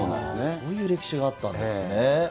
そういう歴史があったんですね。